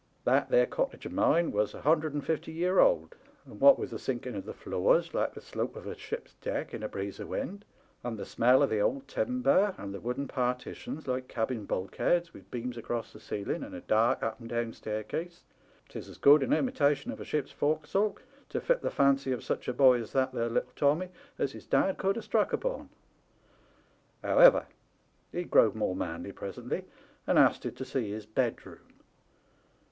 That there cottage of mine was a hundred and fifty year old, and what with the sinking of the floors, like the slope of a ship's deck in a breeze of wind, and the smell of the old timber, and the wooden partitions like cabin bulkheads, with beams across the ceiling, and a dark up and down staircase, 'tis as good an imitation of a ship's forecastle to fit to the fancy of such a boy as that there little Tommy, as his dad could ha' struck upon. However, he growed more manly presently, and asted to see his bedroom.